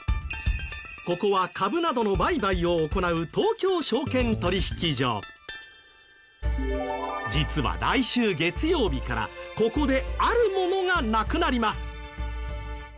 ここは株などの売買を行う実は来週月曜日からここであるものがなくなります。